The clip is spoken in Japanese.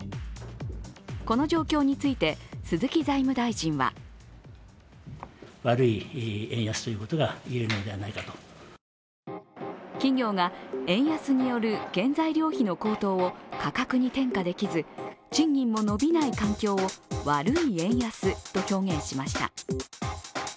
この状況について鈴木財務大臣は企業が円安による原材料費の高騰を価格に転嫁できず、賃金も伸びない環境を悪い円安と表現しました。